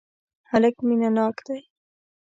هلک مینه ناک دی.